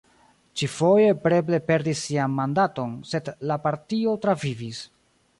Ĉi-foje Preble perdis sian mandaton, sed la partio travivis.